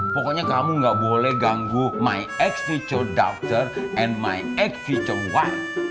pokoknya kamu gak boleh ganggu dokter dan anak saya